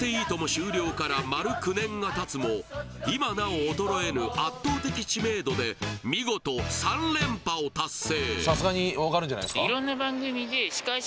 終了から丸９年がたつも今なお衰えぬ圧倒的知名度で見事３連覇を達成